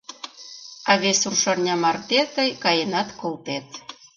А вес рушарня марте тый каенат колтет.